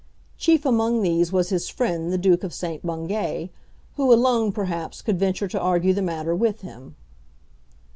Chief among these was his friend the Duke of St. Bungay, who alone perhaps could venture to argue the matter with him.